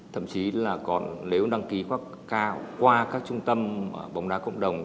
thậm chí là còn nếu đăng ký qua các trung tâm bóng đá cộng đồng